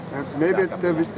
mungkin saya tidak berpikir